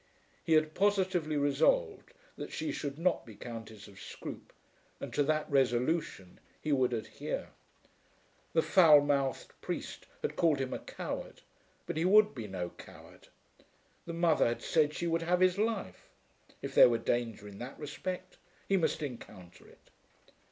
He had positively resolved that she should not be Countess of Scroope, and to that resolution he would adhere. The foul mouthed priest had called him a coward, but he would be no coward. The mother had said that she would have his life. If there were danger in that respect he must encounter it.